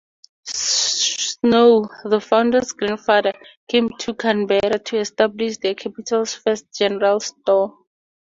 Snow, the founders' grandfather, came to Canberra to establish the Capital's first general store.